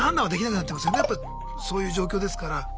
そういう状況ですから。